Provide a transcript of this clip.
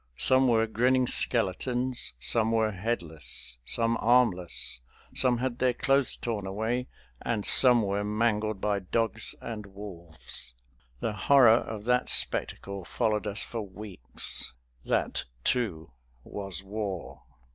Some were grinning skeletons, some were headless, some armless, some had their clothes torn away, and some were mangled by dogs and wolves. The horror of that spectacle followed us for weeks. That, too, was war!